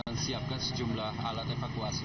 di mana menyiapkan sejumlah alat evakuasi